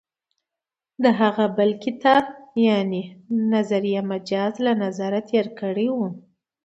د هغه بل کتاب «نظریه مجاز» له نظره تېر کړی و.